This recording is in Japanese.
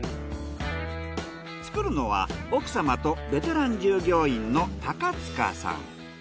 作るのは奥様とベテラン従業員の高塚さん。